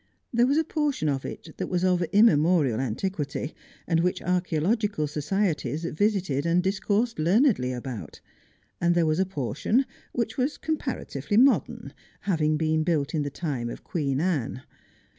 There was a portion of it that was of immemorial antiquity, and which archaeological societies visited and discoursed learnedly about ; and there was a portion which was comparatively modern, having been built in the time of Queen Anne.